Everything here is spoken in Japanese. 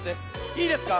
いいですか？